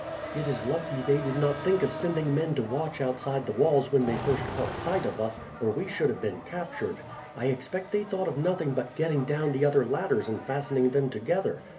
"It is lucky they did not think of sending men to watch outside the walls when they first caught sight of us, or we should have been captured. I expect they thought of nothing but getting down the other ladders and fastening them together.